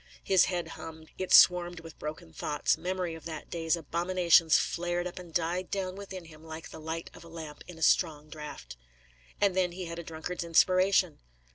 His head hummed; it swarmed with broken thoughts; memory of that day's abominations flared up and died down within him like the light of a lamp in a strong draught. And then he had a drunkard's inspiration.